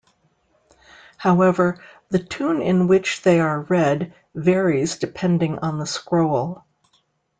However, the tune in which they are read varies depending on the scroll.